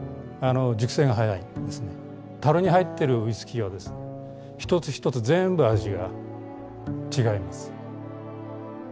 樽に入ってるウイスキーはですね一つ一つ全部味が違います。